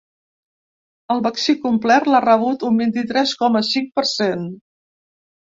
El vaccí complet l’ha rebut un vint-i-tres coma cinc per cent.